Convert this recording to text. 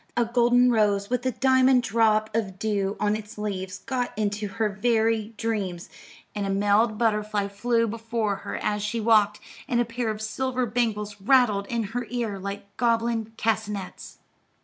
A golden rose with a diamond drop of dew on its leaves got into her very dreams; an enamelled butterfly flew before her as she walked, and a pair of silver bangles rattled in her ear like goblin castanets.